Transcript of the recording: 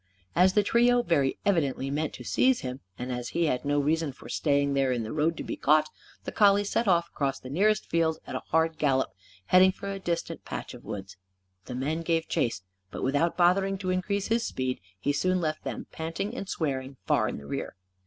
As the trio very evidently meant to seize him, and as he had no reason for staying there in the road to be caught, the collie set off across the nearest field at a hard gallop, heading for a distant patch of woods. The men gave chase. But, without bothering to increase his speed, he soon left; them panting and swearing, far in the rear.